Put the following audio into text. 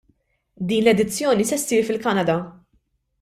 Din l-edizzjoni se ssir fil-Kanada.